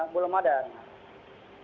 belum ada renhar